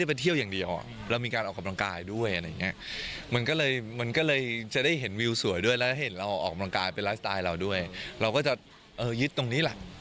ปกติอย่างนี้ก็มีมีแฟนบ้างแฟนถ่ายด้วยครับ